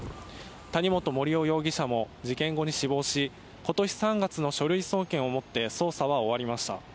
谷本盛雄容疑者も事件後に死亡し今年３月の書類送検をもって捜査は終わりました。